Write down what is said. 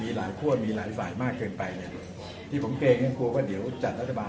หลายคั่วมีหลายฝ่ายมากเกินไปเนี่ยที่ผมเกรงยังกลัวว่าเดี๋ยวจัดรัฐบาล